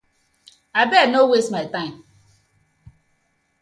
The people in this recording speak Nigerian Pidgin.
Abeg! No waste my time.